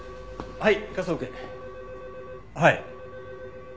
はい？